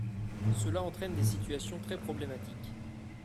Cela entraîne des situations très problématiques.